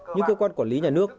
nhưng cơ quan quản lý nhà nước